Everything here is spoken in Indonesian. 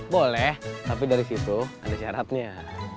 boleh tapi dari situ ada syaratnya